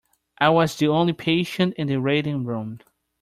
I was the only patient in the waiting room.